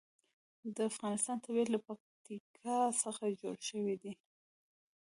د افغانستان طبیعت له پکتیکا څخه جوړ شوی دی.